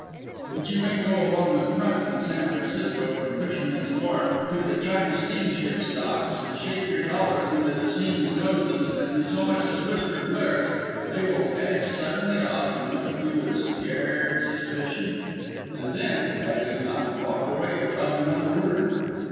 But you may go along the "Front" in San Francisco from Fisherman's Wharf to the China steamships' docks and shake your dollars under the seamen's noses, and if you so much as whisper Glarus they will edge suddenly off and look at you with scared suspicion, and then, as like as not, walk away without another word.